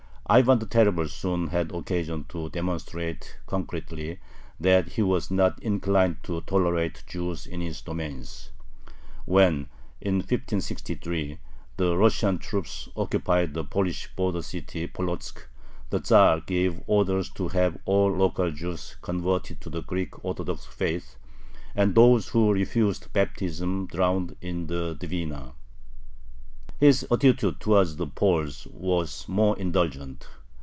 Ivan the Terrible soon had occasion to demonstrate concretely that he was not inclined to tolerate Jews in his domains. When, in 1563, the Russian troops occupied the Polish border city Polotzk, the Tzar gave orders to have all local Jews converted to the Greek Orthodox faith, and those who refused baptism drowned in the Dvina. His attitude towards the Poles was more indulgent.